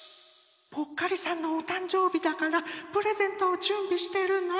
ぽっかりさんのおたんじょうびだからプレゼントをじゅんびしてるの。